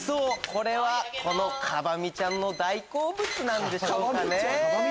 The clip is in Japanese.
これはこのカバミちゃんの大好物なんでしょうかね。